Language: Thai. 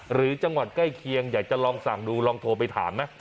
หรือจังหวัดใกล้เคียงอยากจะลองสั่งดูลองโทรไปถามไหม